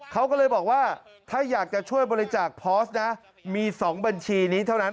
เขาก็เลยบอกว่าถ้าอยากจะช่วยบริจาคพอร์สนะมี๒บัญชีนี้เท่านั้น